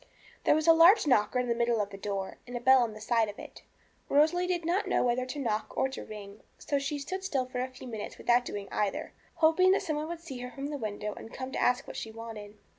There was a large knocker in the middle of the door, and a bell on one side of it. Rosalie did not know whether to knock or to ring, so she stood still for a few minutes without doing either, hoping that some one would see her from the window and come to ask what she wanted.